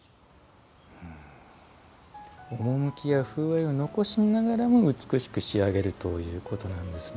趣や風合いを残しながらも美しく仕上げるということなんですね。